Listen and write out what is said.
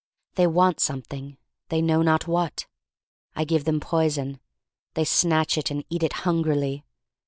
They want something — they know not what. I give them poison. They snatch it and eat it hungrily.